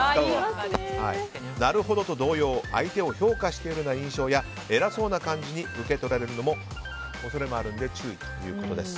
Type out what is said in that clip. なるほどと同様相手を評価している印象や偉そうな感じに受け取られる恐れもあるので注意ということです。